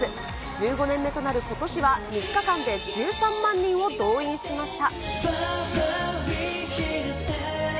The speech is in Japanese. １５年目となることしは、３日間で１３万人を動員しました。